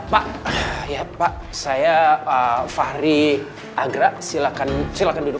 pak ya pak saya fahri agra silahkan duduk